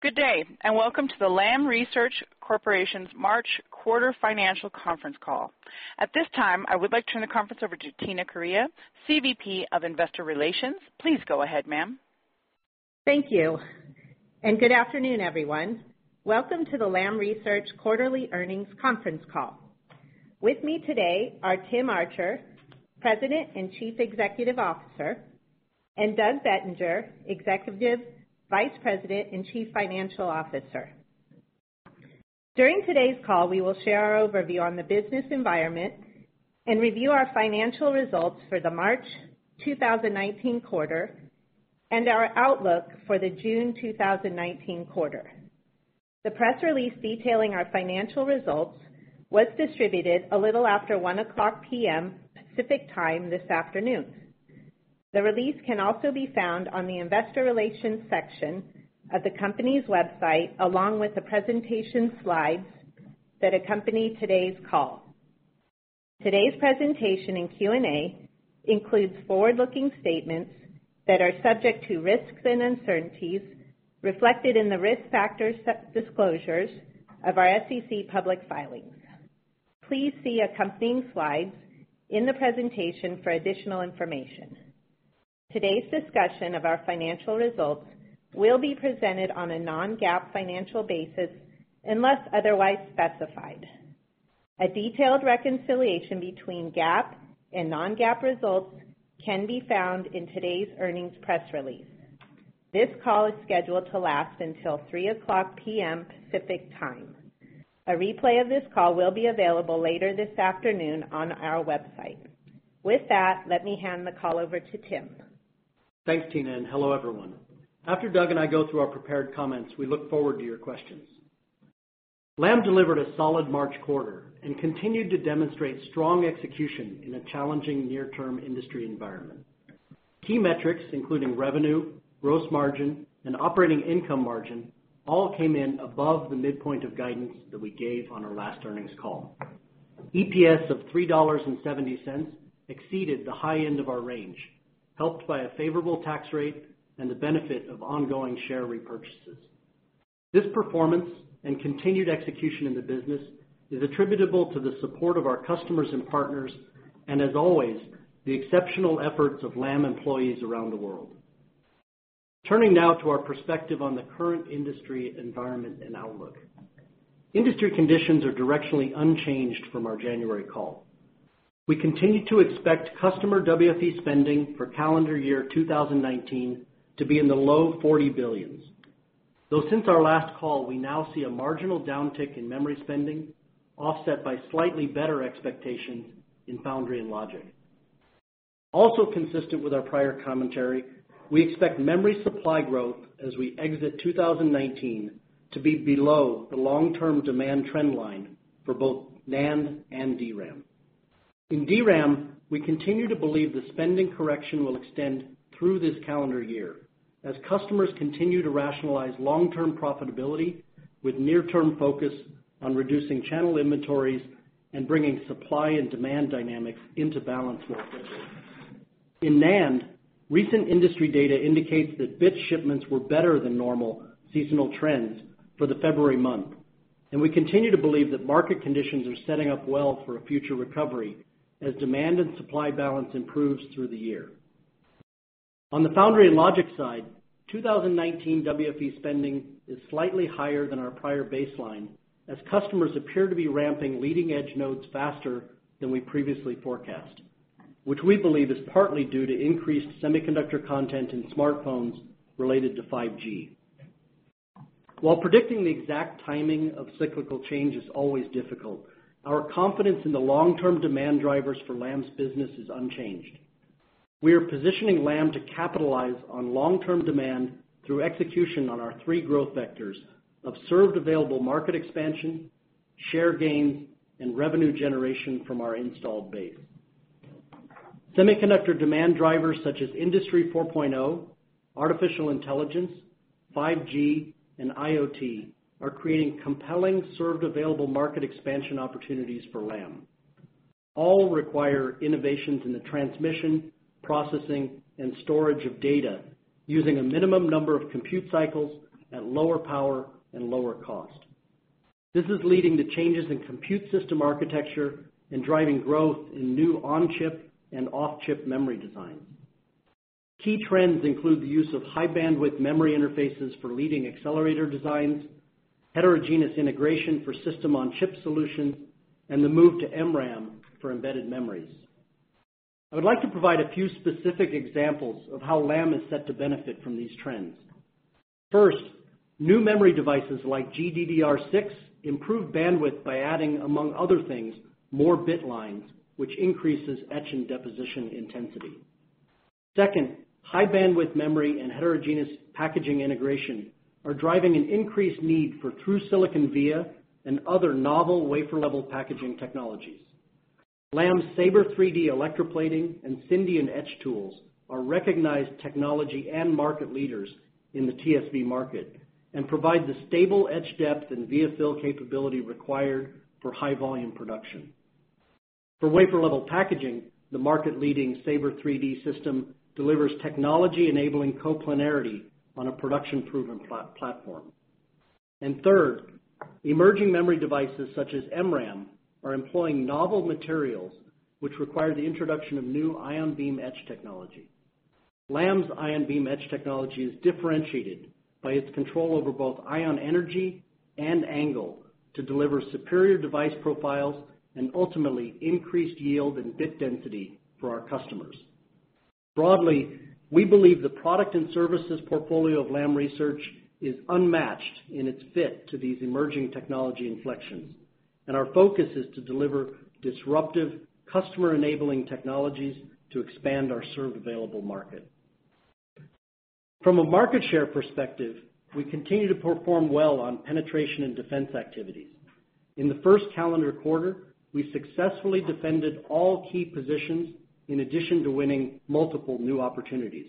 Good day, welcome to the Lam Research Corporation's March quarter financial conference call. At this time, I would like to turn the conference over to Tina Correia, CVP of Investor Relations. Please go ahead, ma'am. Thank you. Good afternoon, everyone. Welcome to the Lam Research quarterly earnings conference call. With me today are Tim Archer, President and Chief Executive Officer, and Doug Bettinger, Executive Vice President and Chief Financial Officer. During today's call, we will share our overview on the business environment and review our financial results for the March 2019 quarter and our outlook for the June 2019 quarter. The press release detailing our financial results was distributed a little after 1:00 P.M. Pacific Time this afternoon. The release can also be found on the investor relations section of the company's website, along with the presentation slides that accompany today's call. Today's presentation and Q&A includes forward-looking statements that are subject to risks and uncertainties reflected in the risk factor disclosures of our SEC public filings. Please see accompanying slides in the presentation for additional information. Today's discussion of our financial results will be presented on a non-GAAP financial basis unless otherwise specified. A detailed reconciliation between GAAP and non-GAAP results can be found in today's earnings press release. This call is scheduled to last until 3:00 P.M. Pacific Time. A replay of this call will be available later this afternoon on our website. With that, let me hand the call over to Tim. Thanks, Tina. Hello, everyone. After Doug and I go through our prepared comments, we look forward to your questions. Lam delivered a solid March quarter and continued to demonstrate strong execution in a challenging near-term industry environment. Key metrics including revenue, gross margin, and operating income margin all came in above the midpoint of guidance that we gave on our last earnings call. EPS of $3.70 exceeded the high end of our range, helped by a favorable tax rate and the benefit of ongoing share repurchases. This performance and continued execution in the business is attributable to the support of our customers and partners, as always, the exceptional efforts of Lam employees around the world. Turning now to our perspective on the current industry environment and outlook. Industry conditions are directionally unchanged from our January call. We continue to expect customer WFE spending for calendar year 2019 to be in the low $40 billion. Though since our last call, we now see a marginal downtick in memory spending offset by slightly better expectations in foundry and logic. Consistent with our prior commentary, we expect memory supply growth as we exit 2019 to be below the long-term demand trend line for both NAND and DRAM. In DRAM, we continue to believe the spending correction will extend through this calendar year as customers continue to rationalize long-term profitability with near-term focus on reducing channel inventories and bringing supply and demand dynamics into balance more quickly. In NAND, recent industry data indicates that bit shipments were better than normal seasonal trends for the February month, and we continue to believe that market conditions are setting up well for a future recovery as demand and supply balance improves through the year. On the foundry and logic side, 2019 WFE spending is slightly higher than our prior baseline as customers appear to be ramping leading-edge nodes faster than we previously forecast, which we believe is partly due to increased semiconductor content in smartphones related to 5G. While predicting the exact timing of cyclical change is always difficult, our confidence in the long-term demand drivers for Lam's business is unchanged. We are positioning Lam to capitalize on long-term demand through execution on our three growth vectors of served available market expansion, share gains, and revenue generation from our installed base. Semiconductor demand drivers such as Industry 4.0, artificial intelligence, 5G, and IoT are creating compelling served available market expansion opportunities for Lam. All require innovations in the transmission, processing, and storage of data using a minimum number of compute cycles at lower power and lower cost. This is leading to changes in compute system architecture and driving growth in new on-chip and off-chip memory designs. Key trends include the use of high-bandwidth memory interfaces for leading accelerator designs, heterogeneous integration for system-on-chip solutions, and the move to MRAM for embedded memories. I would like to provide a few specific examples of how Lam is set to benefit from these trends. First, new memory devices like GDDR6 improve bandwidth by adding, among other things, more bit lines, which increases etch and deposition intensity. Second, high-bandwidth memory and heterogeneous packaging integration are driving an increased need for through-silicon via and other novel wafer-level packaging technologies. Lam's SABRE 3D electroplating and Syndion etch tools are recognized technology and market leaders in the TSV market and provide the stable etch depth and via fill capability required for high-volume production. For wafer level packaging, the market leading SABRE 3D system delivers technology-enabling coplanarity on a production-proven platform. Third, emerging memory devices such as MRAM, are employing novel materials, which require the introduction of new ion beam etch technology. Lam's ion beam etch technology is differentiated by its control over both ion energy and angle to deliver superior device profiles and ultimately increased yield and bit density for our customers. Broadly, we believe the product and services portfolio of Lam Research is unmatched in its fit to these emerging technology inflections, our focus is to deliver disruptive customer-enabling technologies to expand our served available market. From a market share perspective, we continue to perform well on penetration and defense activities. In the first calendar quarter, we successfully defended all key positions in addition to winning multiple new opportunities,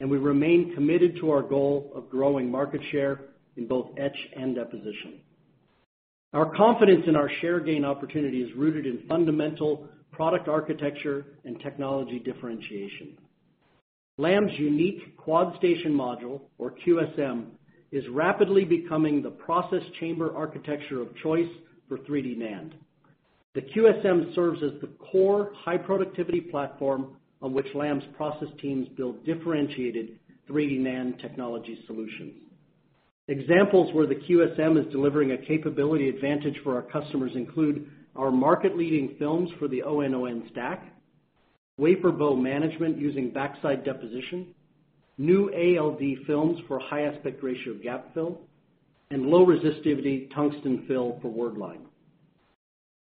we remain committed to our goal of growing market share in both etch and deposition. Our confidence in our share gain opportunity is rooted in fundamental product architecture and technology differentiation. Lam's unique quad station module, or QSM, is rapidly becoming the process chamber architecture of choice for 3D NAND. The QSM serves as the core high productivity platform on which Lam's process teams build differentiated 3D NAND technology solutions. Examples where the QSM is delivering a capability advantage for our customers include our market leading films for the ONON stack, wafer bow management using backside deposition, new ALD films for high aspect ratio gap fill, low resistivity tungsten fill for wordline.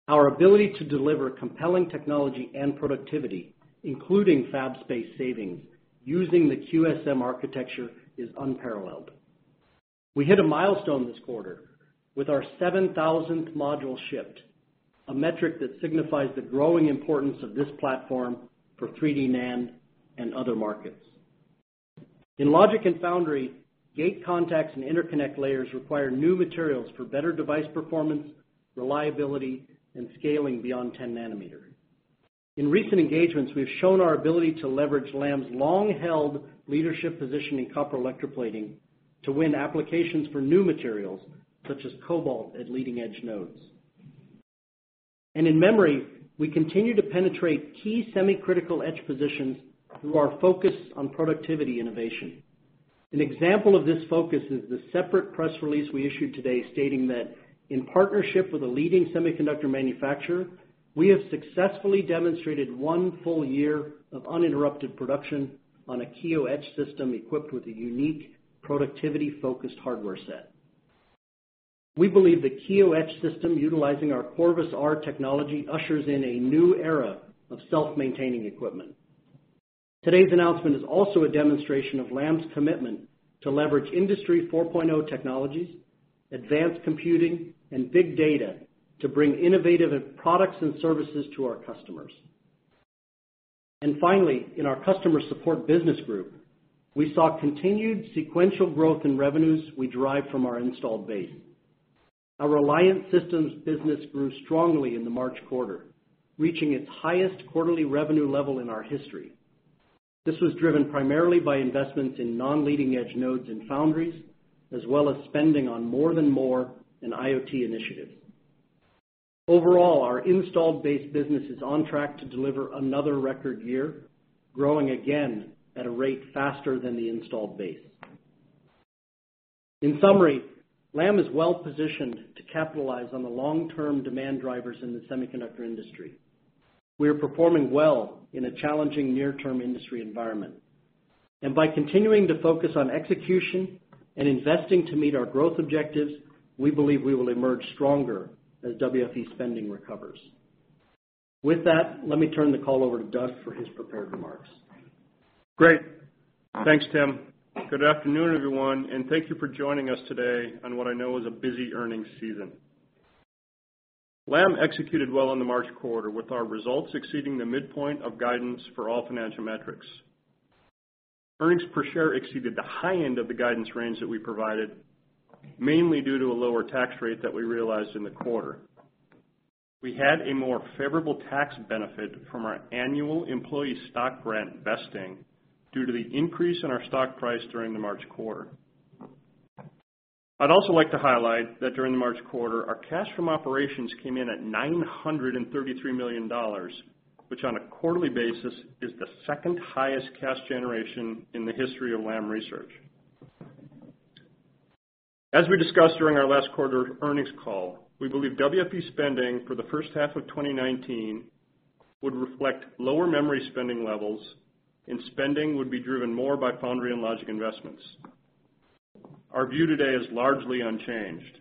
Our ability to deliver compelling technology and productivity, including fab space savings using the QSM architecture is unparalleled. We hit a milestone this quarter with our 7,000th module shipped, a metric that signifies the growing importance of this platform for 3D NAND and other markets. In logic and foundry, gate contacts and interconnect layers require new materials for better device performance, reliability, and scaling beyond 10 nanometer. In recent engagements, we've shown our ability to leverage Lam's long-held leadership position in copper electroplating to win applications for new materials such as cobalt at leading-edge nodes. In memory, we continue to penetrate key semi-critical etch positions through our focus on productivity innovation. An example of this focus is the separate press release we issued today stating that in partnership with a leading semiconductor manufacturer, we have successfully demonstrated one full year of uninterrupted production on a Kiyo etch system equipped with a unique productivity-focused hardware set. We believe the Kiyo etch system utilizing our Corvus R technology ushers in a new era of self-maintaining equipment. Today's announcement is also a demonstration of Lam's commitment to leverage Industry 4.0 technologies, advanced computing, and big data to bring innovative products and services to our customers. Finally, in our customer support business group, we saw continued sequential growth in revenues we derived from our installed base. Our Reliant systems business grew strongly in the March quarter, reaching its highest quarterly revenue level in our history. This was driven primarily by investments in non-leading-edge nodes and foundries, as well as spending on more than Moore in IoT initiatives. Overall, our installed base business is on track to deliver another record year, growing again at a rate faster than the installed base. In summary, Lam is well-positioned to capitalize on the long-term demand drivers in the semiconductor industry. We are performing well in a challenging near-term industry environment. By continuing to focus on execution and investing to meet our growth objectives, we believe we will emerge stronger as WFE spending recovers. With that, let me turn the call over to Doug for his prepared remarks. Great. Thanks, Tim. Good afternoon, everyone, and thank you for joining us today on what I know is a busy earnings season. Lam executed well in the March quarter with our results exceeding the midpoint of guidance for all financial metrics. Earnings per share exceeded the high end of the guidance range that we provided, mainly due to a lower tax rate that we realized in the quarter. We had a more favorable tax benefit from our annual employee stock grant vesting due to the increase in our stock price during the March quarter. I'd also like to highlight that during the March quarter, our cash from operations came in at $933 million, which on a quarterly basis is the second highest cash generation in the history of Lam Research. As we discussed during our last quarter's earnings call, we believe WFE spending for the first half of 2019 would reflect lower memory spending levels, and spending would be driven more by foundry and logic investments. Our view today is largely unchanged.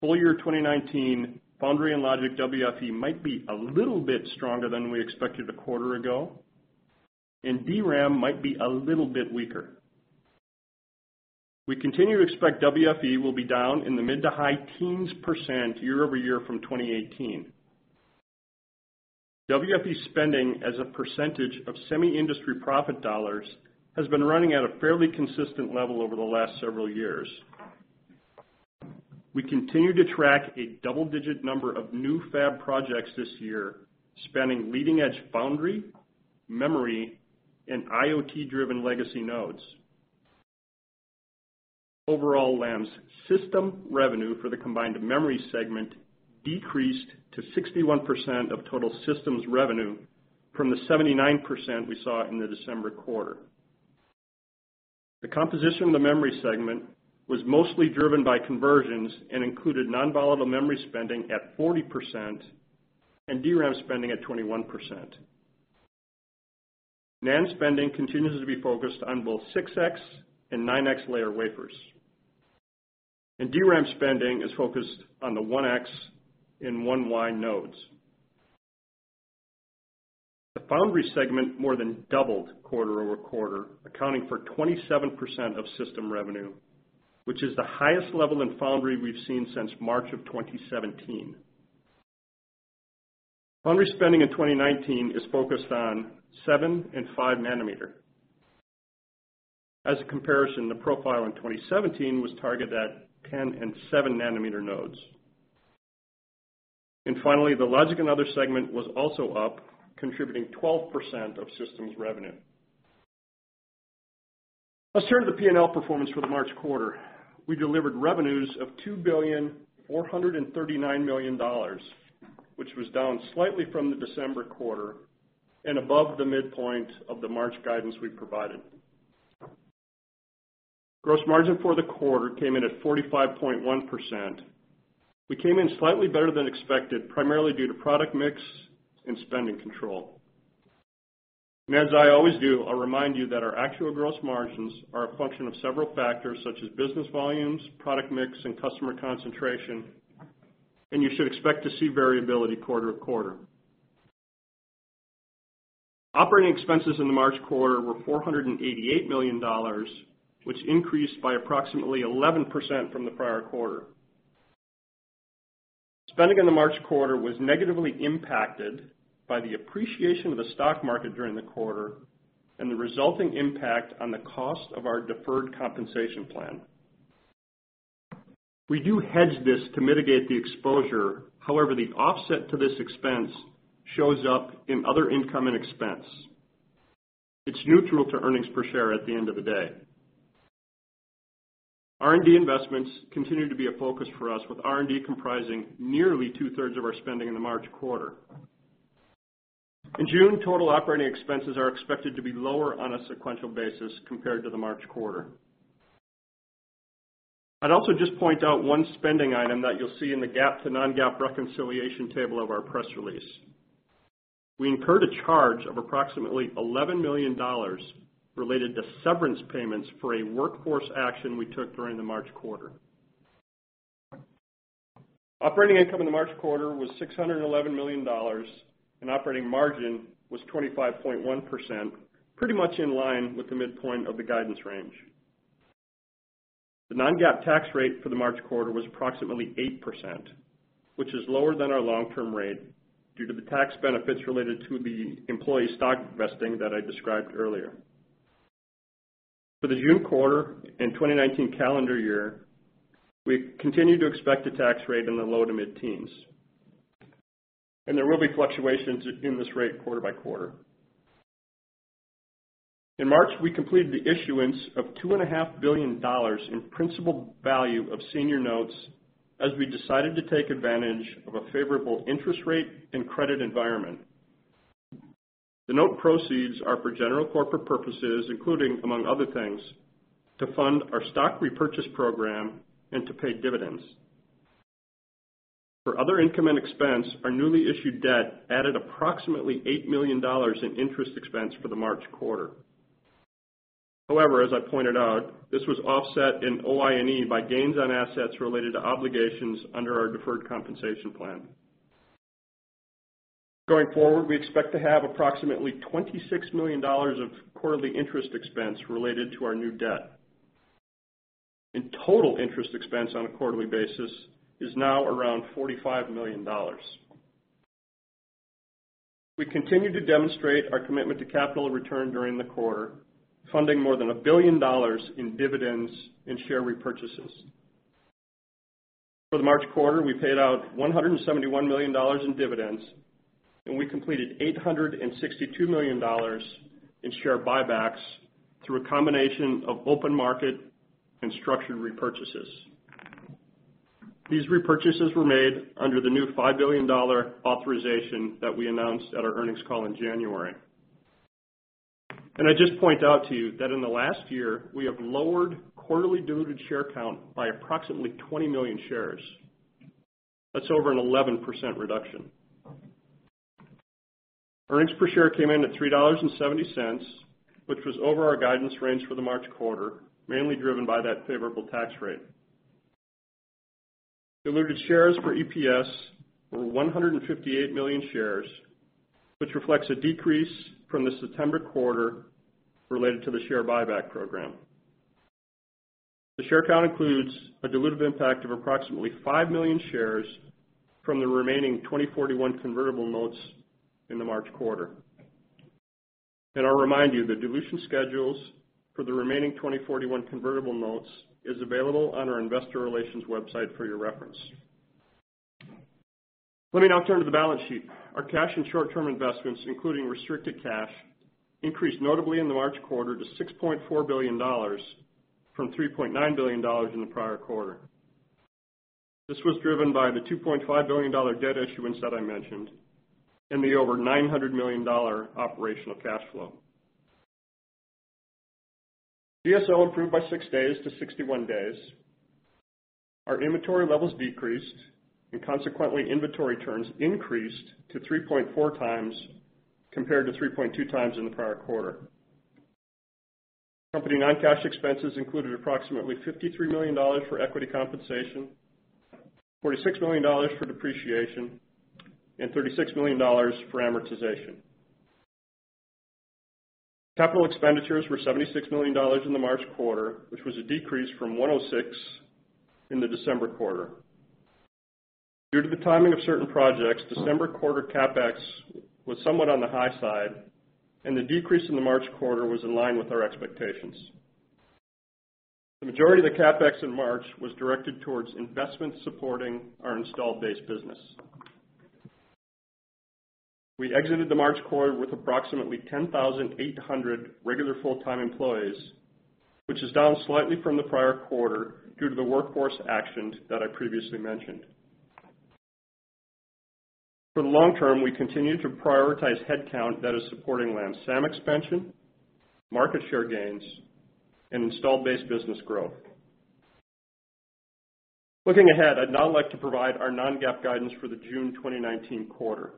Full year 2019, foundry and logic WFE might be a little bit stronger than we expected a quarter ago, and DRAM might be a little bit weaker. We continue to expect WFE will be down in the mid to high teens% year-over-year from 2018. WFE spending as a percentage of semi industry profit dollars has been running at a fairly consistent level over the last several years. We continue to track a double-digit number of new fab projects this year, spanning leading-edge foundry, memory, and IoT-driven legacy nodes. Overall, Lam's system revenue for the combined memory segment decreased to 61% of total systems revenue from the 79% we saw in the December quarter. The composition of the memory segment was mostly driven by conversions and included non-volatile memory spending at 40% and DRAM spending at 21%. NAND spending continues to be focused on both 6X and 9X layer wafers. DRAM spending is focused on the 1X and 1Y nodes. The foundry segment more than doubled quarter-over-quarter, accounting for 27% of system revenue, which is the highest level in foundry we've seen since March of 2017. Foundry spending in 2019 is focused on 7 and 5 nanometer. As a comparison, the profile in 2017 was targeted at 10 and 7 nanometer nodes. Finally, the logic and other segment was also up, contributing 12% of systems revenue. Let's turn to the P&L performance for the March quarter. We delivered revenues of $2,439,000,000, which was down slightly from the December quarter and above the midpoint of the March guidance we provided. Gross margin for the quarter came in at 45.1%. We came in slightly better than expected, primarily due to product mix and spending control. As I always do, I'll remind you that our actual gross margins are a function of several factors such as business volumes, product mix, and customer concentration, and you should expect to see variability quarter-to-quarter. Operating expenses in the March quarter were $488 million, which increased by approximately 11% from the prior quarter. Spending in the March quarter was negatively impacted by the appreciation of the stock market during the quarter and the resulting impact on the cost of our deferred compensation plan. We do hedge this to mitigate the exposure. However, the offset to this expense shows up in other income and expense. It's neutral to earnings per share at the end of the day. R&D investments continue to be a focus for us, with R&D comprising nearly two-thirds of our spending in the March quarter. In June, total operating expenses are expected to be lower on a sequential basis compared to the March quarter. I'd also just point out one spending item that you'll see in the GAAP to non-GAAP reconciliation table of our press release. We incurred a charge of approximately $11 million related to severance payments for a workforce action we took during the March quarter. Operating income in the March quarter was $611 million and operating margin was 25.1%, pretty much in line with the midpoint of the guidance range. The non-GAAP tax rate for the March quarter was approximately 8%, which is lower than our long-term rate due to the tax benefits related to the employee stock vesting that I described earlier. For the June quarter and 2019 calendar year, we continue to expect a tax rate in the low to mid-teens. There will be fluctuations in this rate quarter by quarter. In March, we completed the issuance of $2.5 billion in principal value of senior notes as we decided to take advantage of a favorable interest rate and credit environment. The note proceeds are for general corporate purposes, including, among other things, to fund our stock repurchase program and to pay dividends. For other income and expense, our newly issued debt added approximately $8 million in interest expense for the March quarter. However, as I pointed out, this was offset in OI&E by gains on assets related to obligations under our deferred compensation plan. Going forward, we expect to have approximately $26 million of quarterly interest expense related to our new debt. Total interest expense on a quarterly basis is now around $45 million. We continue to demonstrate our commitment to capital return during the quarter, funding more than $1 billion in dividends and share repurchases. For the March quarter, we paid out $171 million in dividends, and we completed $862 million in share buybacks through a combination of open market and structured repurchases. These repurchases were made under the new $5 billion authorization that we announced at our earnings call in January. I'd just point out to you that in the last year, we have lowered quarterly diluted share count by approximately 20 million shares. That's over an 11% reduction. Earnings per share came in at $3.70, which was over our guidance range for the March quarter, mainly driven by that favorable tax rate. Diluted shares for EPS were 158 million shares, which reflects a decrease from the September quarter related to the share buyback program. The share count includes a dilutive impact of approximately five million shares from the remaining 2041 convertible notes in the March quarter. I'll remind you, the dilution schedules for the remaining 2041 convertible notes is available on our investor relations website for your reference. Let me now turn to the balance sheet. Our cash and short-term investments, including restricted cash, increased notably in the March quarter to $6.4 billion from $3.9 billion in the prior quarter. This was driven by the $2.5 billion debt issuance that I mentioned and the over $900 million operational cash flow. DSO improved by six days to 61 days. Our inventory levels decreased, and consequently, inventory turns increased to 3.4 times compared to 3.2 times in the prior quarter. Company non-cash expenses included approximately $53 million for equity compensation, $46 million for depreciation, and $36 million for amortization. Capital expenditures were $76 million in the March quarter, which was a decrease from $106 million in the December quarter. Due to the timing of certain projects, December quarter CapEx was somewhat on the high side, and the decrease in the March quarter was in line with our expectations. The majority of the CapEx in March was directed towards investments supporting our installed base business. We exited the March quarter with approximately 10,800 regular full-time employees, which is down slightly from the prior quarter due to the workforce actions that I previously mentioned. For the long term, we continue to prioritize headcount that is supporting Lam SAM expansion, market share gains, and installed base business growth. Looking ahead, I'd now like to provide our non-GAAP guidance for the June 2019 quarter.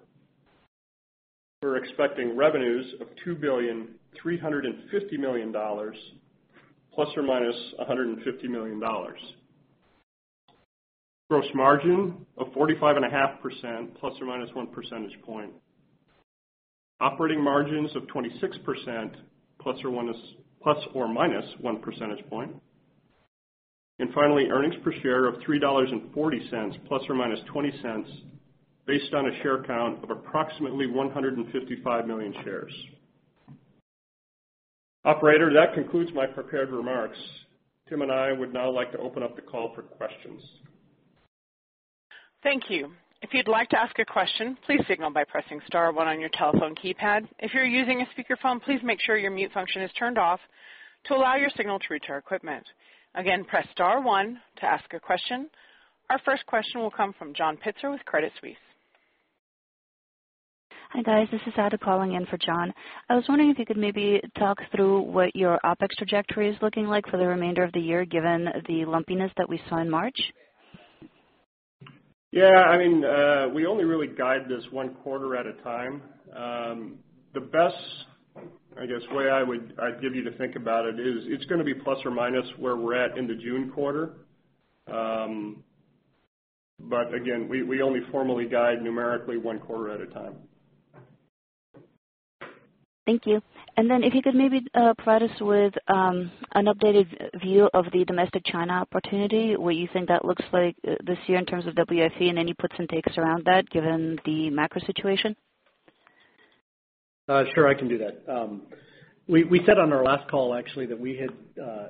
We're expecting revenues of $2.35 billion ± $150 million. Gross margin of 45.5% ± one percentage point. Operating margins of 26% ± one percentage point. Finally, earnings per share of $3.40 ± $0.20, based on a share count of approximately 155 million shares. Operator, that concludes my prepared remarks. Tim and I would now like to open up the call for questions. Thank you. If you'd like to ask a question, please signal by pressing star one on your telephone keypad. If you're using a speakerphone, please make sure your mute function is turned off to allow your signal to reach our equipment. Again, press star one to ask a question. Our first question will come from John Pitzer with Credit Suisse. Hi, guys. This is Ada calling in for John. I was wondering if you could maybe talk through what your OpEx trajectory is looking like for the remainder of the year, given the lumpiness that we saw in March. Yeah, we only really guide this one quarter at a time. The best, I guess, way I'd give you to think about it is it's going to be plus or minus where we're at in the June quarter. Again, we only formally guide numerically one quarter at a time. Thank you. If you could maybe provide us with an updated view of the domestic China opportunity, what you think that looks like this year in terms of WFE, and any puts and takes around that given the macro situation. Sure, I can do that. We said on our last call, actually, that we had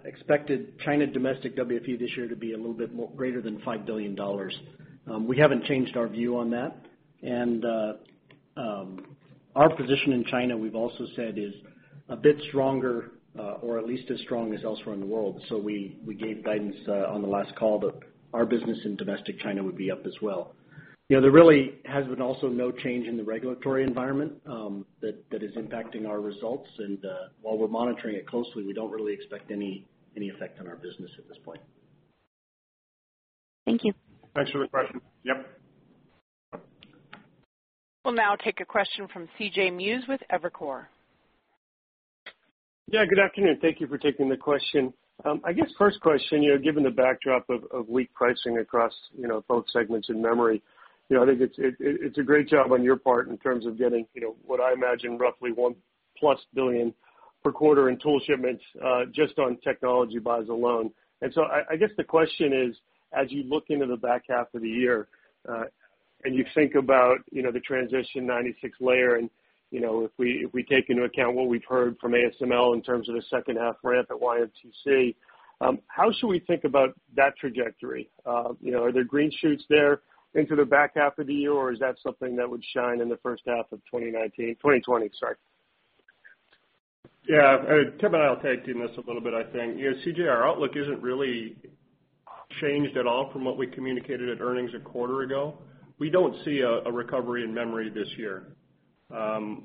expected China domestic WFE this year to be a little bit greater than $5 billion. We haven't changed our view on that, and our position in China, we've also said, is a bit stronger or at least as strong as elsewhere in the world. We gave guidance on the last call that our business in domestic China would be up as well. There really has been also no change in the regulatory environment that is impacting our results, and while we're monitoring it closely, we don't really expect any effect on our business at this point. Thank you. Thanks for the question. Yep. We'll now take a question from C.J. Muse with Evercore. Yeah, good afternoon. Thank you for taking the question. I guess first question, given the backdrop of weak pricing across both segments in memory, I think it's a great job on your part in terms of getting what I imagine roughly $1-plus billion per quarter in tool shipments just on technology buys alone. I guess the question is, as you look into the back half of the year and you think about the transition 96-layer, and if we take into account what we've heard from ASML in terms of the second half ramp at YMTC, how should we think about that trajectory? Are there green shoots there into the back half of the year, or is that something that would shine in the first half of 2020, sorry. Yeah. Tim and I will tag-team this a little bit, I think. C.J., our outlook isn't really changed at all from what we communicated at earnings a quarter ago. We don't see a recovery in memory this year.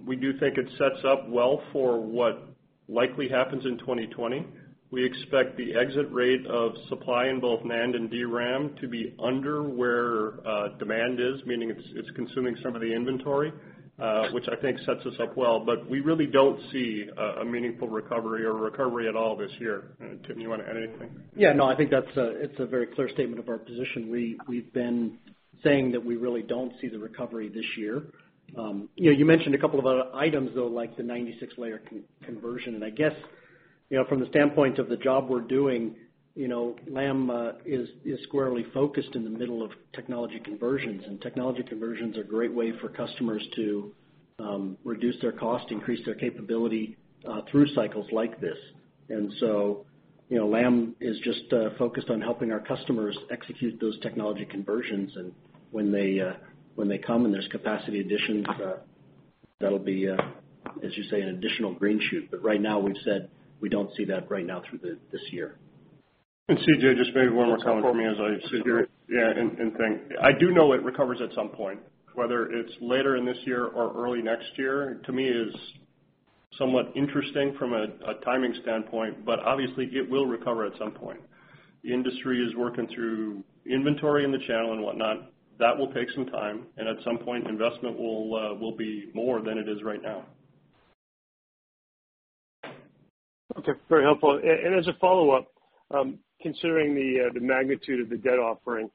We do think it sets up well for what likely happens in 2020. We expect the exit rate of supply in both NAND and DRAM to be under where demand is, meaning it's consuming some of the inventory, which I think sets us up well. We really don't see a meaningful recovery or recovery at all this year. Tim, you want to add anything? No. I think that's a very clear statement of our position. We've been saying that we really don't see the recovery this year. You mentioned a couple of other items, though, like the 96-layer conversion. From the standpoint of the job we're doing, Lam is squarely focused in the middle of technology conversions, and technology conversions are a great way for customers to reduce their cost, increase their capability through cycles like this. Lam is just focused on helping our customers execute those technology conversions. When they come, and there's capacity additions, that'll be, as you say, an additional green shoot. Right now, we've said we don't see that right now through this year. C.J., just maybe one more comment from me as I sit here and think. I do know it recovers at some point, whether it's later in this year or early next year, to me, is somewhat interesting from a timing standpoint, but obviously it will recover at some point. The industry is working through inventory in the channel and whatnot. That will take some time, and at some point, investment will be more than it is right now. Okay. Very helpful. As a follow-up, considering the magnitude of the debt offering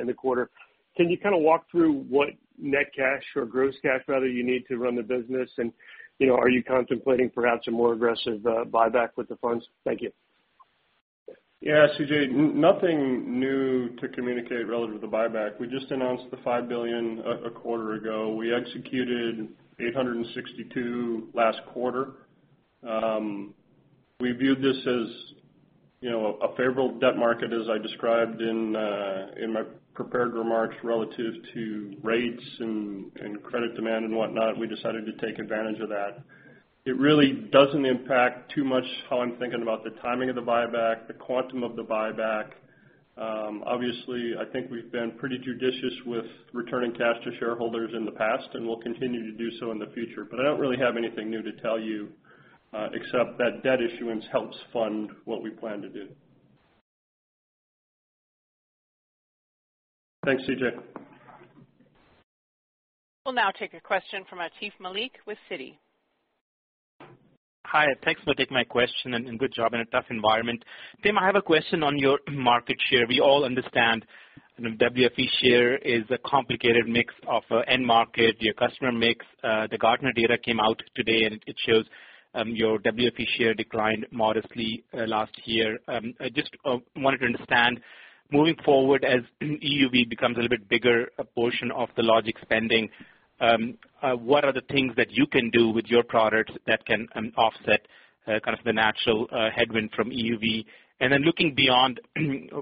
in the quarter, can you kind of walk through what net cash or gross cash, rather, you need to run the business? Are you contemplating perhaps a more aggressive buyback with the funds? Thank you. C.J., nothing new to communicate relative to buyback. We just announced the $5 billion a quarter ago. We executed $862 last quarter. We viewed this as a favorable debt market, as I described in my prepared remarks relative to rates and credit demand and whatnot. We decided to take advantage of that. It really doesn't impact too much how I'm thinking about the timing of the buyback, the quantum of the buyback. Obviously, I think we've been pretty judicious with returning cash to shareholders in the past, and we'll continue to do so in the future. I don't really have anything new to tell you, except that debt issuance helps fund what we plan to do. Thanks, C.J. We'll now take a question from Atif Malik with Citi. Hi, thanks for taking my question, and good job in a tough environment. Tim, I have a question on your market share. We all understand WFE share is a complicated mix of end market, your customer mix. The Gartner data came out today, and it shows your WFE share declined modestly last year. I just wanted to understand, moving forward, as EUV becomes a little bit bigger a portion of the logic spending, what are the things that you can do with your products that can offset kind of the natural headwind from EUV? Then looking beyond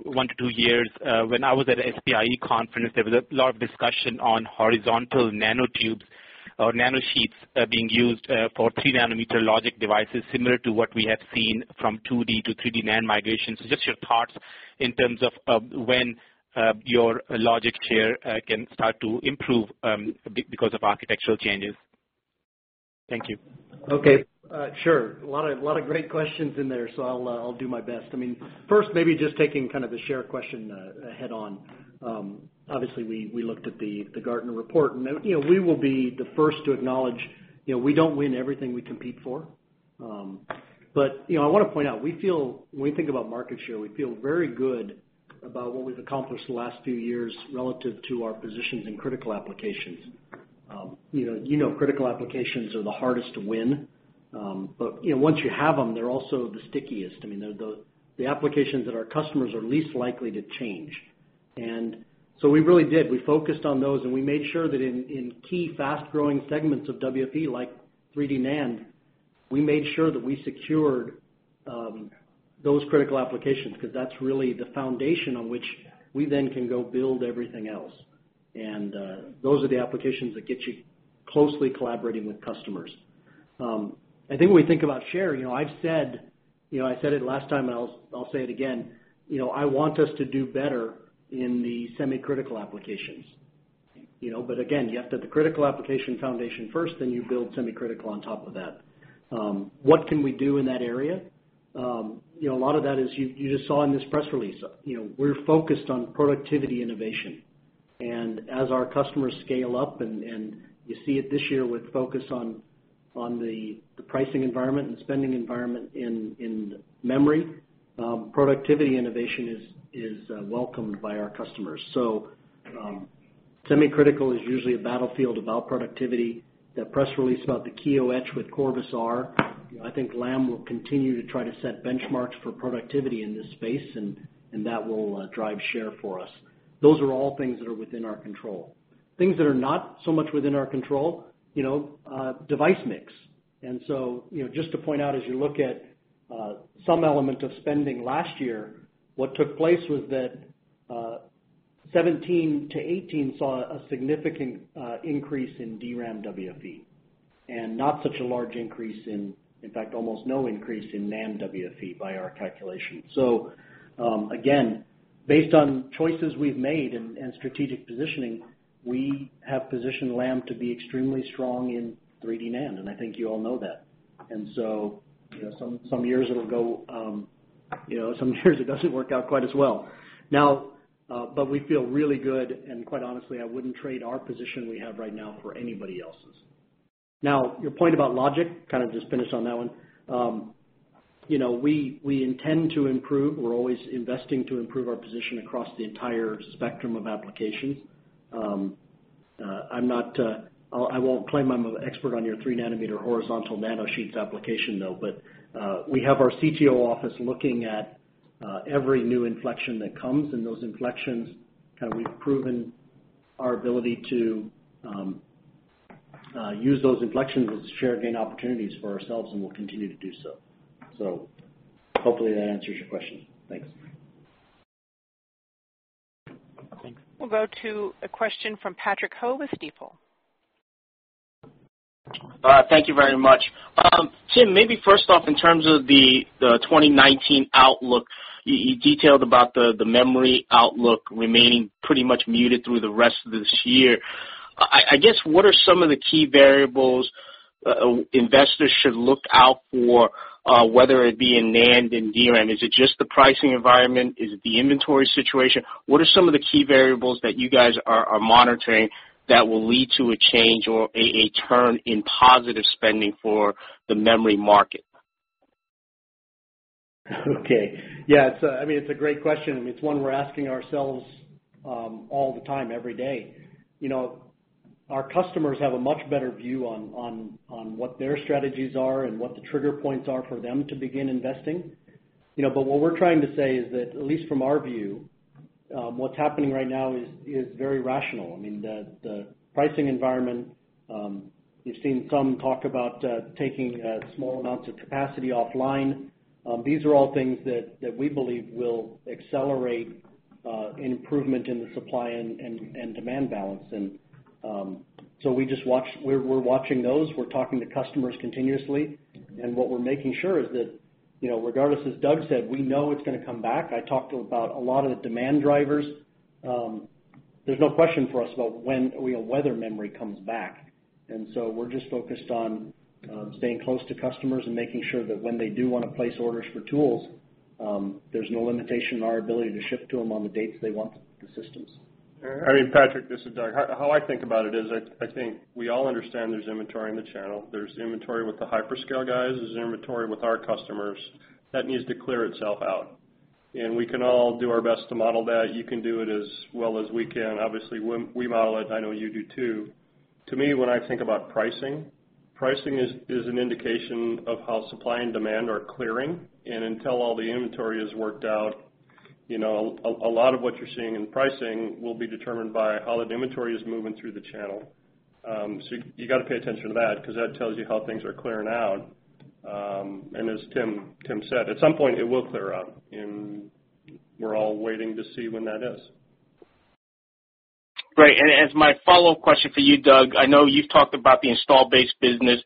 one to two years, when I was at SPIE conference, there was a lot of discussion on horizontal nanotubes or nanosheets being used for three-nanometer logic devices, similar to what we have seen from 2D to 3D NAND migration. Just your thoughts in terms of when your logic share can start to improve because of architectural changes. Thank you. Okay. Sure. A lot of great questions in there, I'll do my best. First, maybe just taking kind of the share question head-on. Obviously, we looked at the Gartner report, we will be the first to acknowledge we don't win everything we compete for. I want to point out, when we think about market share, we feel very good about what we've accomplished the last few years relative to our positions in critical applications. You know critical applications are the hardest to win. Once you have them, they're also the stickiest. They're the applications that our customers are least likely to change. We really did, we focused on those, and we made sure that in key fast-growing segments of WFE like 3D NAND, we made sure that we secured those critical applications, because that's really the foundation on which we then can go build everything else. Those are the applications that get you closely collaborating with customers. I think when we think about share, I said it last time and I'll say it again, I want us to do better in the semi-critical applications. Again, you have to have the critical application foundation first, then you build semi-critical on top of that. What can we do in that area? A lot of that is you just saw in this press release. We're focused on productivity innovation, and as our customers scale up and you see it this year with focus on the pricing environment and spending environment in memory, productivity innovation is welcomed by our customers. Semi-critical is usually a battlefield about productivity. That press release about the Kiyo with Corvus R, I think Lam will continue to try to set benchmarks for productivity in this space, and that will drive share for us. Those are all things that are within our control. Things that are not so much within our control, device mix. Just to point out, as you look at some element of spending last year, what took place was that 2017 to 2018 saw a significant increase in DRAM WFE, and not such a large increase, in fact, almost no increase in NAND WFE by our calculation. Again, based on choices we've made and strategic positioning, we have positioned Lam to be extremely strong in 3D NAND, and I think you all know that. Some years it'll go it doesn't work out quite as well. We feel really good, and quite honestly, I wouldn't trade our position we have right now for anybody else's. Your point about logic, kind of just finish on that one. We intend to improve. We're always investing to improve our position across the entire spectrum of applications. I won't claim I'm an expert on your three nanometer horizontal nanosheets application though, but we have our CTO office looking at every new inflection that comes, and those inflections, we've proven our ability to use those inflections as share gain opportunities for ourselves, and we'll continue to do so. Hopefully that answers your question. Thanks. Thanks. We'll go to a question from Patrick Ho with Stifel. Thank you very much. Tim, maybe first off, in terms of the 2019 outlook, you detailed about the memory outlook remaining pretty much muted through the rest of this year. I guess, what are some of the key variables investors should look out for, whether it be in NAND and DRAM? Is it just the pricing environment? Is it the inventory situation? What are some of the key variables that you guys are monitoring that will lead to a change or a turn in positive spending for the memory market? Okay. Yeah. It's a great question. It's one we're asking ourselves all the time, every day. Our customers have a much better view on what their strategies are and what the trigger points are for them to begin investing. What we're trying to say is that, at least from our view, what's happening right now is very rational. The pricing environment, we've seen some talk about taking small amounts of capacity offline. These are all things that we believe will accelerate improvement in the supply and demand balance. We're watching those. We're talking to customers continuously. What we're making sure is that, regardless, as Doug said, we know it's going to come back. I talked about a lot of the demand drivers. There's no question for us about when we know whether memory comes back. We're just focused on staying close to customers and making sure that when they do want to place orders for tools, there's no limitation on our ability to ship to them on the dates they want the systems. Patrick, this is Doug. How I think about it is, I think we all understand there's inventory in the channel. There's inventory with the hyperscale guys. There's inventory with our customers that needs to clear itself out, we can all do our best to model that. You can do it as well as we can. Obviously, we model it, I know you do too. To me, when I think about pricing is an indication of how supply and demand are clearing. Until all the inventory is worked out, a lot of what you're seeing in pricing will be determined by how that inventory is moving through the channel. You got to pay attention to that because that tells you how things are clearing out. As Tim said, at some point, it will clear out, we're all waiting to see when that is. Great. As my follow-up question for you, Doug, I know you've talked about the install base business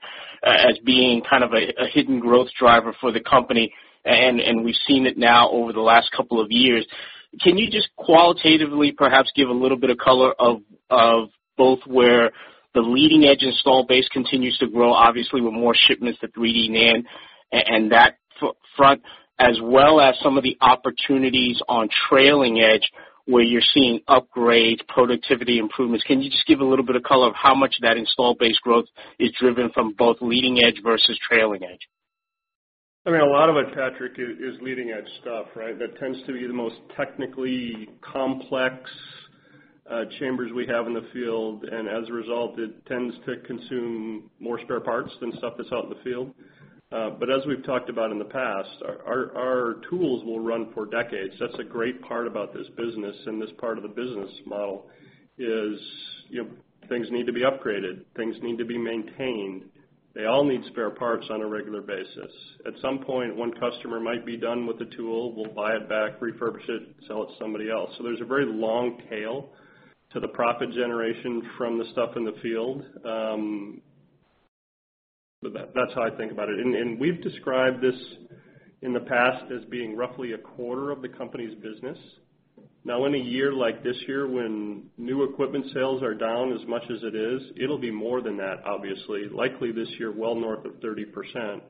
as being kind of a hidden growth driver for the company, and we've seen it now over the last couple of years. Can you just qualitatively perhaps give a little bit of color of both where the leading edge install base continues to grow, obviously with more shipments to 3D NAND and that front, as well as some of the opportunities on trailing edge, where you're seeing upgrades, productivity improvements. Can you just give a little bit of color of how much of that install base growth is driven from both leading edge versus trailing edge? A lot of it, Patrick, is leading edge stuff, right? That tends to be the most technically complex chambers we have in the field, and as a result, it tends to consume more spare parts than stuff that's out in the field. As we've talked about in the past, our tools will run for decades. That's a great part about this business and this part of the business model is things need to be upgraded. Things need to be maintained. They all need spare parts on a regular basis. At some point, one customer might be done with the tool. We'll buy it back, refurbish it, sell it to somebody else. There's a very long tail to the profit generation from the stuff in the field. That's how I think about it. We've described this in the past as being roughly a quarter of the company's business. Now, in a year like this year, when new equipment sales are down as much as it is, it'll be more than that, obviously. Likely this year, well north of 30%.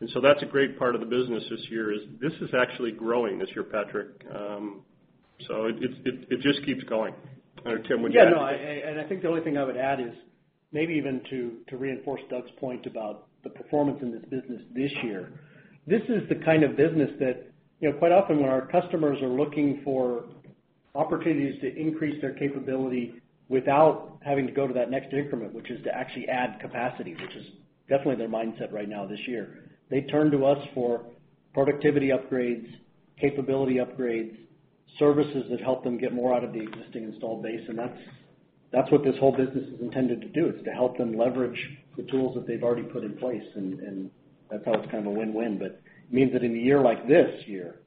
That's a great part of the business this year, is this is actually growing this year, Patrick. It just keeps going. Tim, would you I think the only thing I would add is maybe even to reinforce Doug's point about the performance in this business this year. This is the kind of business that quite often when our customers are looking for opportunities to increase their capability without having to go to that next increment, which is to actually add capacity, which is definitely their mindset right now this year. They turn to us for productivity upgrades, capability upgrades, services that help them get more out of the existing installed base, that's what this whole business is intended to do, is to help them leverage the tools that they've already put in place, that's how it's kind of a win-win. It means that in a year like this year,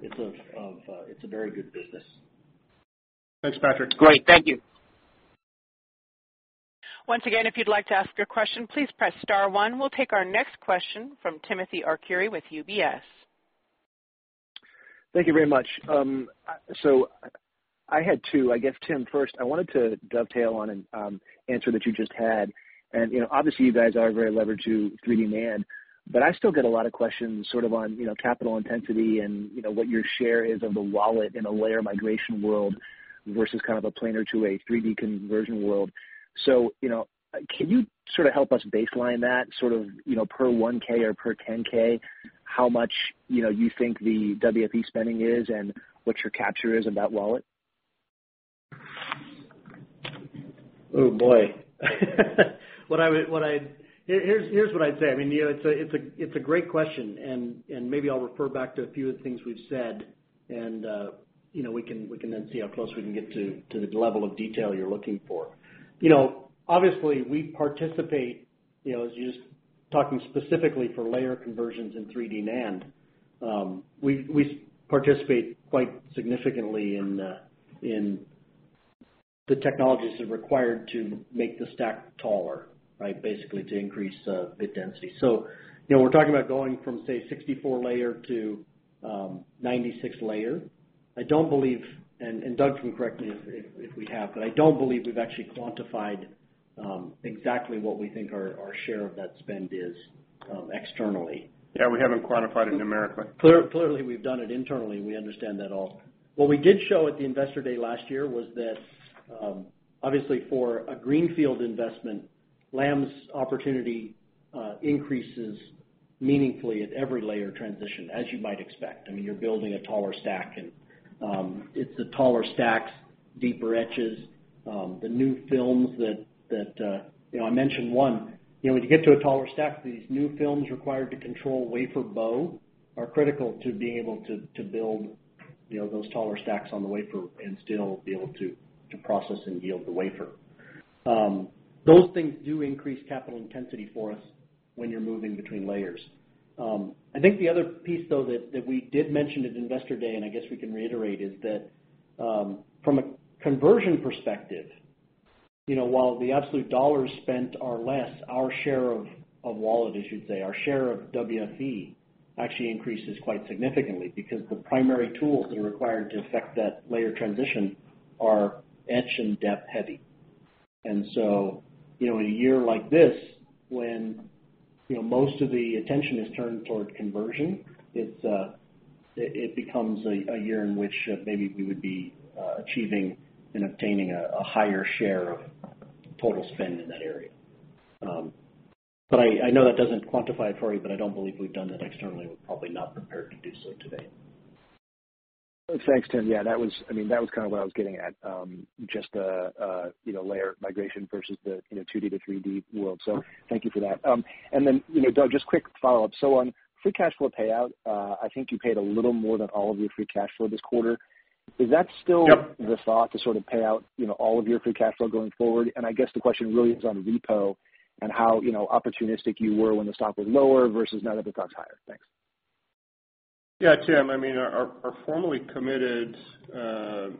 it's a very good business. Thanks, Patrick. Great. Thank you. Once again, if you'd like to ask your question, please press star 1. We'll take our next question from Timothy Arcuri with UBS. Thank you very much. I had two, I guess, Tim, first, I wanted to dovetail on an answer that you just had, and obviously you guys are very levered to 3D NAND, but I still get a lot of questions sort of on capital intensity and what your share is of the wallet in a layer migration world versus kind of a planar to a 3D conversion world. Can you sort of help us baseline that per 1K or per 10K, how much you think the WFE spending is and what your capture is of that wallet? Oh, boy. Here's what I'd say. It's a great question. Maybe I'll refer back to a few of the things we've said, we can then see how close we can get to the level of detail you're looking for. Obviously, we participate, as you're talking specifically for layer conversions in 3D NAND, we participate quite significantly in the technologies that are required to make the stack taller, basically to increase bit density. We're talking about going from, say, 64 layer to 96 layer. I don't believe, Doug can correct me if we have, but I don't believe we've actually quantified exactly what we think our share of that spend is externally. Yeah, we haven't quantified it numerically. Clearly, we've done it internally. We understand that all. What we did show at the Investor Day last year was that, obviously for a greenfield investment, Lam's opportunity increases meaningfully at every layer transition, as you might expect. You're building a taller stack, it's the taller stacks, deeper etches, the new films that I mentioned one. When you get to a taller stack, these new films required to control wafer bow are critical to being able to build those taller stacks on the wafer and still be able to process and yield the wafer. Those things do increase capital intensity for us when you're moving between layers. I think the other piece, though, that we did mention at Investor Day. I guess we can reiterate, is that from a conversion perspective, while the absolute dollars spent are less, our share of wallet, as you'd say, our share of WFE actually increases quite significantly because the primary tools that are required to effect that layer transition are etch and dep heavy. In a year like this, when most of the attention is turned toward conversion, it becomes a year in which maybe we would be achieving and obtaining a higher share of total spend in that area. I know that doesn't quantify it for you, I don't believe we've done that externally. We're probably not prepared to do so today. Thanks, Tim. Yeah, that was what I was getting at, just the layer migration versus the 2D to 3D world. Thank you for that. Doug, just quick follow-up. On free cash flow payout, I think you paid a little more than all of your free cash flow this quarter. Yep. Is that still the thought to sort of pay out all of your free cash flow going forward? I guess the question really is on repo and how opportunistic you were when the stock was lower versus now that the stock's higher. Thanks. Yeah, Tim, our formally committed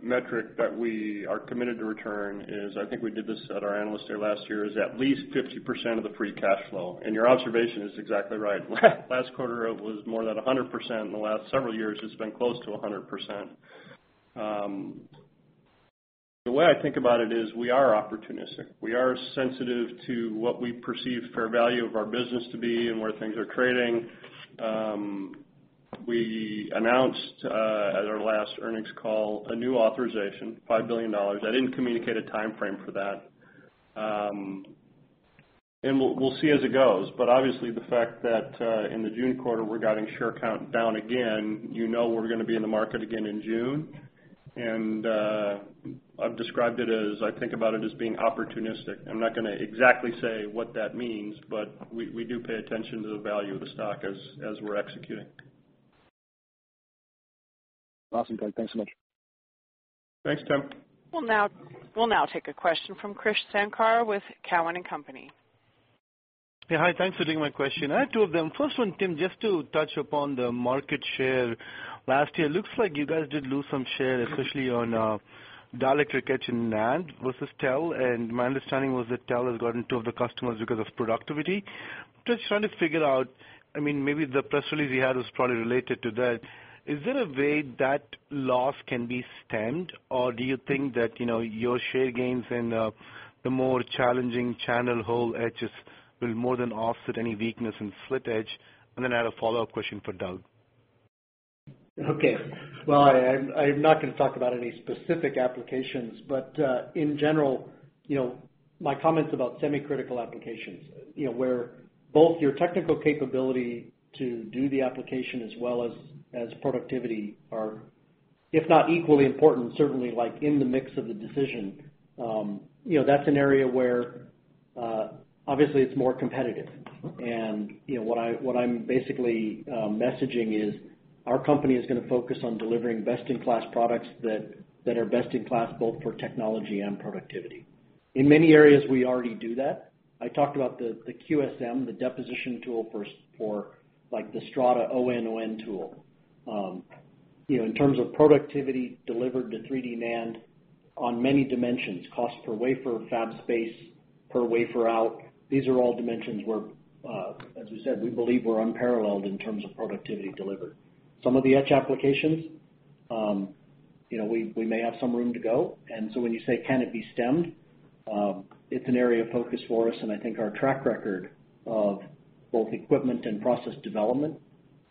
metric that we are committed to return is, I think we did this at our analyst day last year, is at least 50% of the free cash flow. Your observation is exactly right. Last quarter, it was more than 100%. In the last several years, it's been close to 100%. The way I think about it is we are opportunistic. We are sensitive to what we perceive fair value of our business to be and where things are trading. We announced at our last earnings call a new authorization, $5 billion. I didn't communicate a timeframe for that. We'll see as it goes, but obviously the fact that in the June quarter, we're guiding share count down again, you know we're going to be in the market again in June. I've described it as I think about it as being opportunistic. I'm not going to exactly say what that means, but we do pay attention to the value of the stock as we're executing. Awesome, Doug. Thanks so much. Thanks, Tim. We'll now take a question from Krish Sankar with Cowen and Company. Yeah. Hi, thanks for taking my question. I have two of them. First one, Tim, just to touch upon the market share. Last year, looks like you guys did lose some share, especially on direct write etch in NAND versus Tel, and my understanding was that Tel has gotten two of the customers because of productivity. Just trying to figure out, maybe the press release you had was probably related to that. Is there a way that loss can be stemmed, or do you think that your share gains in the more challenging channel hole etches will more than offset any weakness in slit etch? I had a follow-up question for Doug. Okay. Well, I'm not going to talk about any specific applications, but in general, my comments about semi-critical applications, where both your technical capability to do the application as well as productivity are, if not equally important, certainly in the mix of the decision. That's an area where obviously it's more competitive. What I'm basically messaging is our company is going to focus on delivering best-in-class products that are best in class both for technology and productivity. In many areas, we already do that. I talked about the QSM, the deposition tool for the Strata ONON tool. In terms of productivity delivered to 3D NAND on many dimensions, cost per wafer, fab space per wafer out, these are all dimensions where, as we said, we believe we're unparalleled in terms of productivity delivered. Some of the etch applications, we may have some room to go, so when you say can it be stemmed, it's an area of focus for us, and I think our track record of both equipment and process development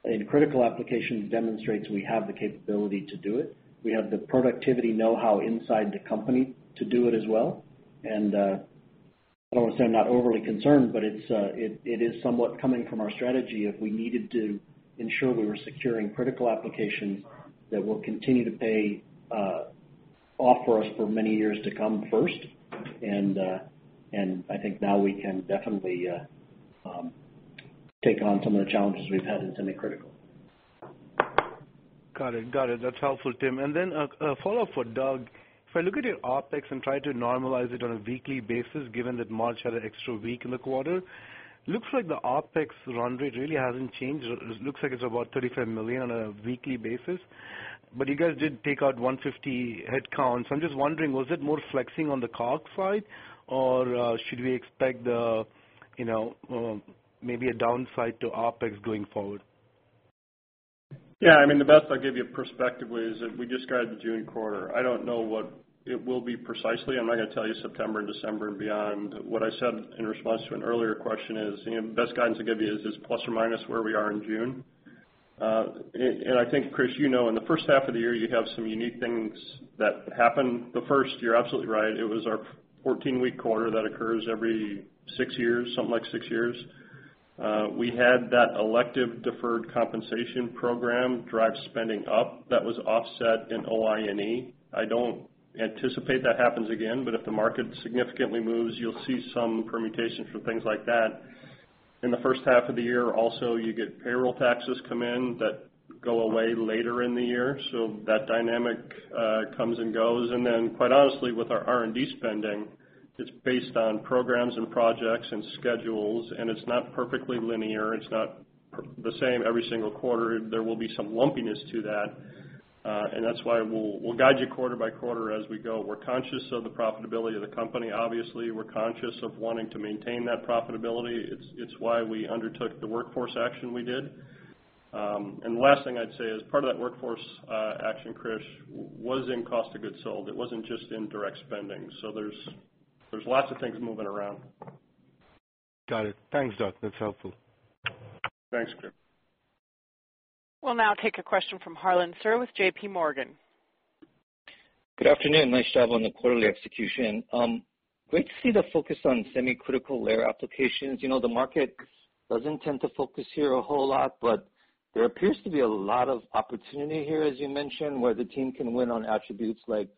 in critical applications demonstrates we have the capability to do it. We have the productivity know-how inside the company to do it as well. I would say I'm not overly concerned, but it is somewhat coming from our strategy if we needed to ensure we were securing critical applications that will continue to pay off for us for many years to come first. I think now we can definitely take on some of the challenges we've had in semi-critical. Got it. That's helpful, Tim. Then a follow-up for Doug. If I look at your OpEx and try to normalize it on a weekly basis, given that March had an extra week in the quarter, looks like the OpEx run rate really hasn't changed. It looks like it's about $35 million on a weekly basis, but you guys did take out 150 headcounts. I'm just wondering, was it more flexing on the COGS side or should we expect maybe a downside to OpEx going forward? Yeah, the best I can give you a perspective is that we just guided the June quarter. I don't know what it will be precisely. I'm not going to tell you September, December and beyond. What I said in response to an earlier question is, the best guidance I can give you is plus or minus where we are in June. I think, Krish, you know in the first half of the year, you have some unique things that happen. First, you're absolutely right, it was our 14-week quarter that occurs every six years, something like six years. We had that elective deferred compensation program drive spending up that was offset in OI&E. I don't anticipate that happens again, but if the market significantly moves, you'll see some permutations from things like that. In the first half of the year, also, you get payroll taxes come in that go away later in the year. That dynamic comes and goes. Then quite honestly, with our R&D spending, it's based on programs and projects and schedules, and it's not perfectly linear. It's not the same every single quarter. There will be some lumpiness to that, and that's why we'll guide you quarter by quarter as we go. We're conscious of the profitability of the company, obviously. We're conscious of wanting to maintain that profitability. It's why we undertook the workforce action we did. The last thing I'd say is part of that workforce action, Krish, was in COGS. It wasn't just in direct spending. There's lots of things moving around. Got it. Thanks, Doug. That's helpful. Thanks, Krish. We'll now take a question from Harlan Sur with JPMorgan. Good afternoon. Nice job on the quarterly execution. Great to see the focus on semi-critical layer applications. The market doesn't tend to focus here a whole lot, but there appears to be a lot of opportunity here, as you mentioned, where the team can win on attributes like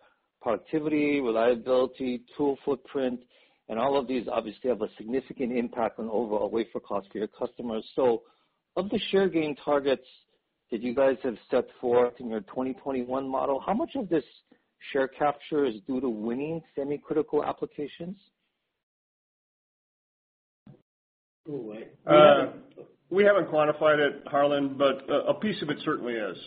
productivity, reliability, tool footprint, and all of these obviously have a significant impact on overall wafer cost for your customers. Of the share gain targets that you guys have set forth in your 2021 model, how much of this share capture is due to winning semi-critical applications? Go, Mike. We haven't quantified it, Harlan, but a piece of it certainly is.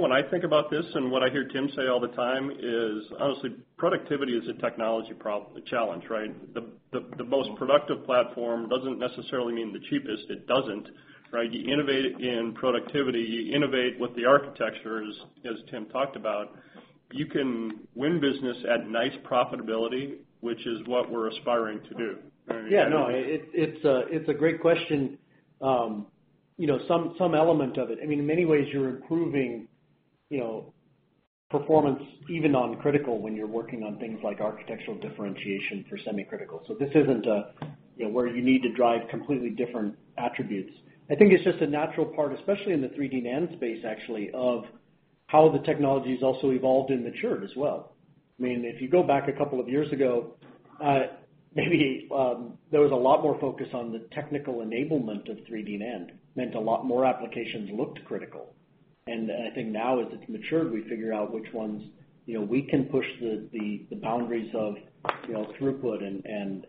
When I think about this and what I hear Tim say all the time is, honestly, productivity is a technology challenge, right? The most productive platform doesn't necessarily mean the cheapest. It doesn't. You innovate in productivity, you innovate with the architectures, as Tim talked about. You can win business at nice profitability, which is what we're aspiring to do. Yeah. It's a great question. Some element of it. In many ways, you're improving performance even on critical when you're working on things like architectural differentiation for semi-critical. This isn't where you need to drive completely different attributes. I think it's just a natural part, especially in the 3D NAND space, actually, of how the technology's also evolved and matured as well. If you go back a couple of years ago, maybe there was a lot more focus on the technical enablement of 3D NAND, meant a lot more applications looked critical. I think now as it's matured, we figure out which ones we can push the boundaries of throughput and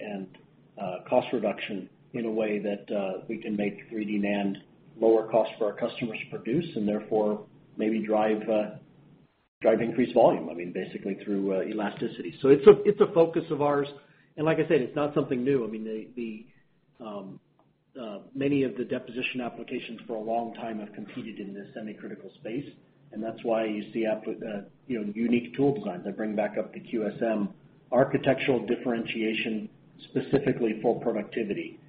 cost reduction in a way that we can make 3D NAND lower cost for our customers to produce, and therefore maybe drive increased volume, basically through elasticity. It's a focus of ours. Like I said, it's not something new. Many of the deposition applications for a long time have competed in the semi-critical space. That's why you see unique tool designs. I bring back up the QSM architectural differentiation, specifically for productivity.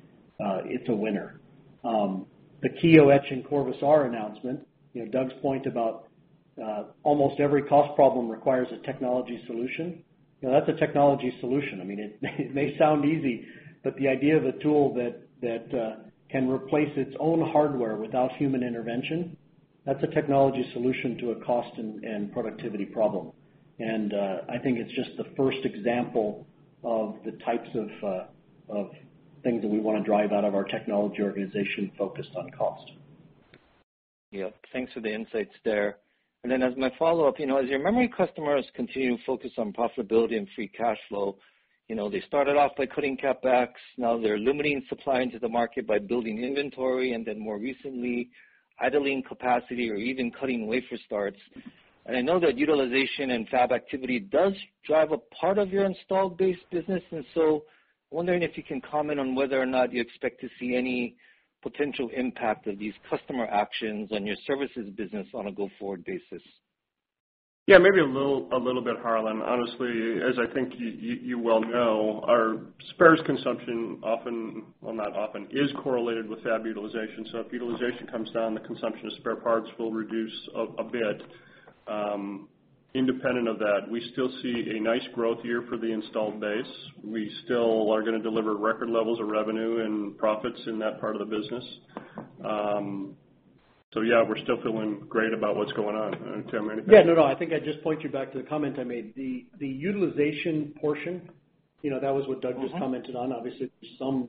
It's a winner. The Kiyo and Corvus R announcement, Doug's point about almost every cost problem requires a technology solution. That's a technology solution. It may sound easy, but the idea of a tool that can replace its own hardware without human intervention, that's a technology solution to a cost and productivity problem. I think it's just the first example of the types of things that we want to drive out of our technology organization focused on cost. Yep. Thanks for the insights there. Then as my follow-up, as your memory customers continue to focus on profitability and free cash flow, they started off by cutting CapEx. Now they're limiting supply into the market by building inventory, then more recently, idling capacity or even cutting wafer starts. I know that utilization and fab activity does drive a part of your installed base business, so wondering if you can comment on whether or not you expect to see any potential impact of these customer actions on your services business on a go-forward basis. Yeah, maybe a little bit, Harlan. Honestly, as I think you well know, our spares consumption is correlated with fab utilization. If utilization comes down, the consumption of spare parts will reduce a bit. Independent of that, we still see a nice growth year for the installed base. We still are going to deliver record levels of revenue and profits in that part of the business. Yeah, we're still feeling great about what's going on. Tim, anything. Yeah, no. I think I'd just point you back to the comment I made. The utilization portion, that was what Doug just commented on. Obviously, there's some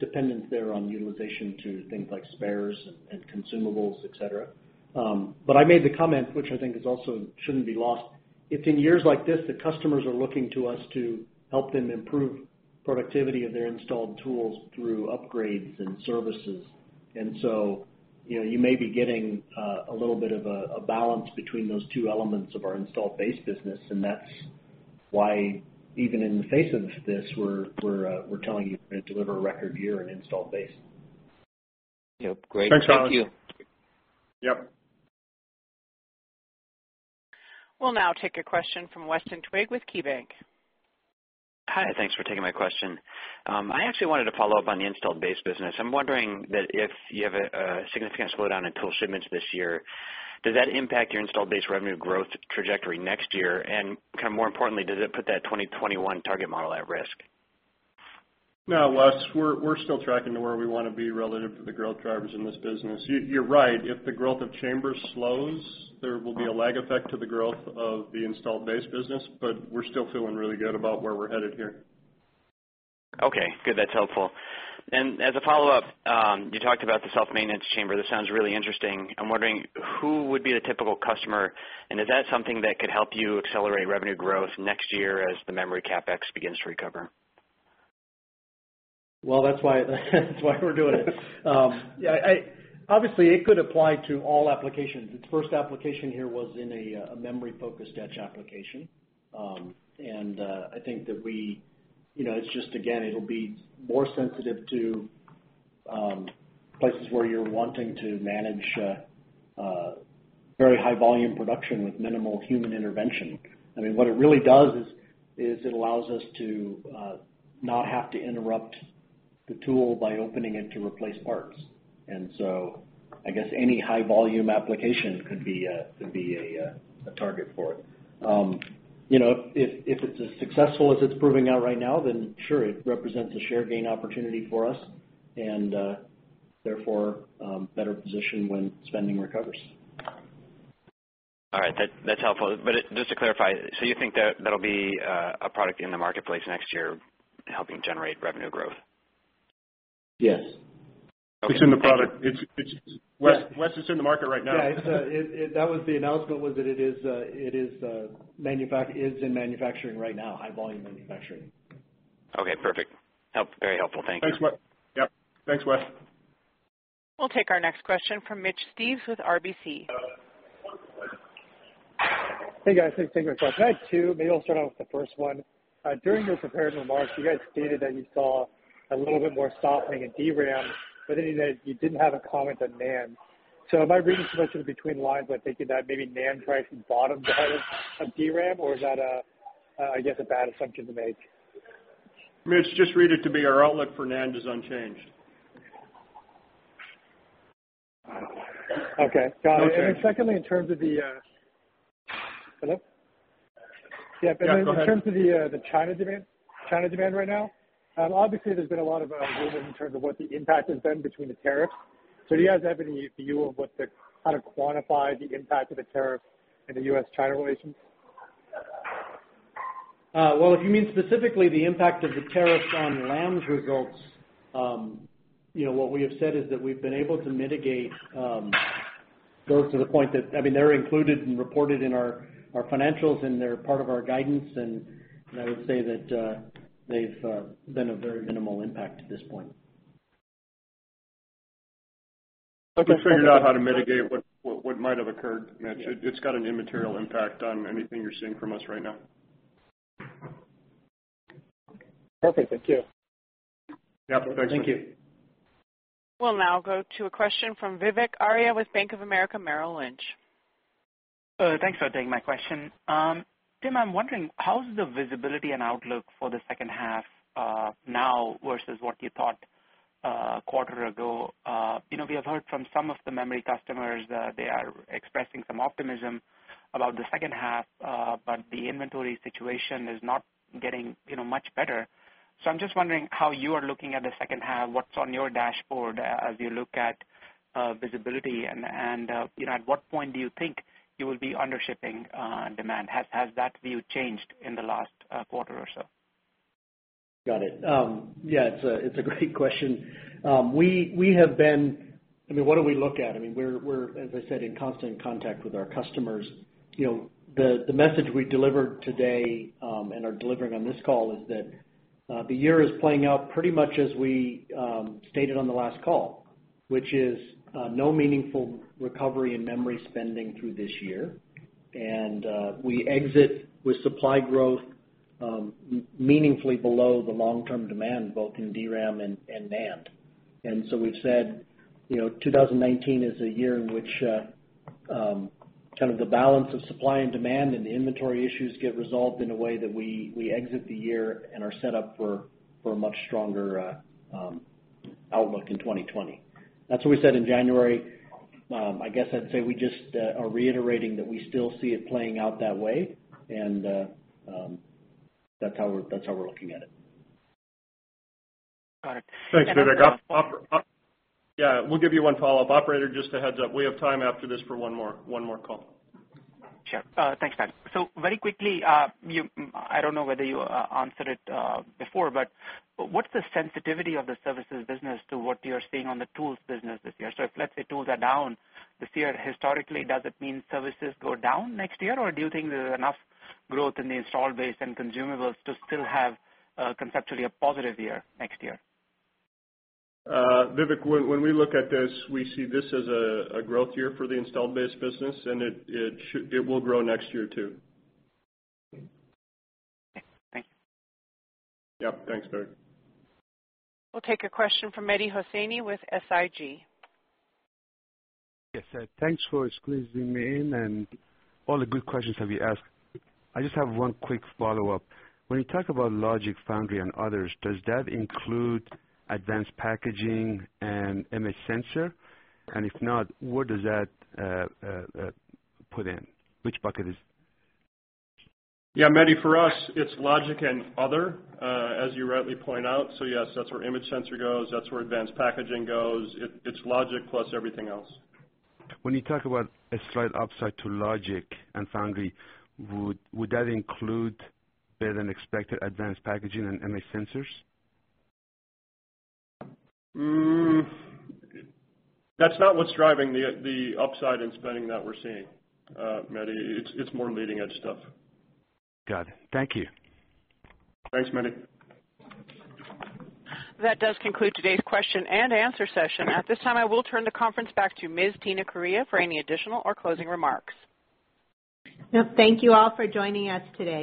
dependence there on utilization to things like spares and consumables, et cetera. I made the comment, which I think also shouldn't be lost. It's in years like this that customers are looking to us to help them improve productivity of their installed tools through upgrades and services. So, you may be getting a little bit of a balance between those two elements of our installed base business, that's why, even in the face of this, we're telling you we're going to deliver a record year in installed base. Yep, great. Thanks, Harlan. Thank you. Yep. We'll now take a question from Weston Twigg with KeyBanc. Hi, thanks for taking my question. I actually wanted to follow up on the installed base business. I'm wondering that if you have a significant slowdown in tool shipments this year, does that impact your installed base revenue growth trajectory next year? More importantly, does it put that 2021 target model at risk? No, Wes, we're still tracking to where we want to be relative to the growth drivers in this business. You're right. If the growth of chamber slows, there will be a lag effect to the growth of the installed base business, we're still feeling really good about where we're headed here. Okay, good. That's helpful. As a follow-up, you talked about the self-maintenance chamber. This sounds really interesting. I'm wondering who would be the typical customer, is that something that could help you accelerate revenue growth next year as the memory CapEx begins to recover? Well, that's why we're doing it. Obviously, it could apply to all applications. Its first application here was in a memory-focused etch application. I think that it'll be more sensitive to places where you're wanting to manage very high volume production with minimal human intervention. What it really does is it allows us to not have to interrupt the tool by opening it to replace parts. I guess any high volume application could be a target for it. If it's as successful as it's proving out right now, sure, it represents a share gain opportunity for us and, therefore, better positioned when spending recovers. That's helpful. Just to clarify, you think that'll be a product in the marketplace next year helping generate revenue growth? Yes. Wes, it's in the market right now. Yeah. The announcement was that it is in manufacturing right now, high volume manufacturing. Okay, perfect. Very helpful. Thank you. Thanks, Wes. Yep. Thanks, Wes. We'll take our next question from Mitch Steves with RBC. Hey, guys. Thanks for taking my question. I had two, maybe I'll start out with the first one. During those prepared remarks, you guys stated that you saw a little bit more softening in DRAM, but then you said you didn't have a comment on NAND. Am I reading too much into between the lines by thinking that maybe NAND pricing bottomed out of DRAM, or is that a bad assumption to make? Mitch, just read it to be our outlook for NAND is unchanged. Okay, got it. Okay. Secondly, in terms of the Hello? Yeah, go ahead. Yeah, in terms of the China demand right now, obviously there's been a lot of movement in terms of kind of quantify the impact of the tariff in the U.S.-China relations? Well, if you mean specifically the impact of the tariffs on Lam's results, what we have said is that we've been able to mitigate those to the point that they're included and reported in our financials, and they're part of our guidance, and I would say that they've been a very minimal impact at this point. I think we figured out how to mitigate what might have occurred, Mitch. It's got an immaterial impact on anything you're seeing from us right now. Okay, thank you. Yeah. Thanks, Mitch. Thank you. We'll now go to a question from Vivek Arya with Bank of America Merrill Lynch. Thanks for taking my question. Tim, I'm wondering, how's the visibility and outlook for the second half now versus what you thought a quarter ago? We have heard from some of the memory customers, they are expressing some optimism about the second half. The inventory situation is not getting much better. I'm just wondering how you are looking at the second half, what's on your dashboard as you look at visibility, and at what point do you think you will be undershipping demand? Has that view changed in the last quarter or so? Got it. Yeah, it's a great question. What do we look at? We're, as I said, in constant contact with our customers. The message we delivered today, and are delivering on this call is that the year is playing out pretty much as we stated on the last call, which is no meaningful recovery in memory spending through this year. We exit with supply growth meaningfully below the long-term demand, both in DRAM and NAND. We've said, 2019 is a year in which kind of the balance of supply and demand and the inventory issues get resolved in a way that we exit the year and are set up for a much stronger outlook in 2020. That's what we said in January. I guess I'd say we just are reiterating that we still see it playing out that way, and that's how we're looking at it. Got it. Thanks, Vivek. We'll give you one follow-up. Operator, just a heads-up, we have time after this for one more call. Sure. Thanks, Pat. Very quickly, I don't know whether you answered it before, what's the sensitivity of the services business to what you're seeing on the tools business this year? If, let's say, tools are down this year, historically, does it mean services go down next year? Do you think there's enough growth in the installed base and consumables to still have conceptually a positive year next year? Vivek, when we look at this, we see this as a growth year for the installed base business, it will grow next year, too. Okay. Thank you. Yep, thanks, Vivek. We'll take a question from Mehdi Hosseini with SIG. Yes. Thanks for squeezing me in and all the good questions that we ask. I just have one quick follow-up. When you talk about logic foundry and others, does that include advanced packaging and image sensor? If not, where does that put in? Which bucket is it? Yeah, Mehdi, for us, it's logic and other, as you rightly point out. Yes, that's where image sensor goes, that's where advanced packaging goes. It's logic plus everything else. When you talk about a slight upside to logic and foundry, would that include better-than-expected advanced packaging and image sensors? That's not what's driving the upside in spending that we're seeing, Mehdi. It's more leading-edge stuff. Got it. Thank you. Thanks, Mehdi. That does conclude today's question and answer session. At this time, I will turn the conference back to Ms. Tina Correia for any additional or closing remarks. Yep. Thank you all for joining us today.